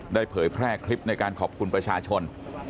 เผยแพร่คลิปในการขอบคุณประชาชน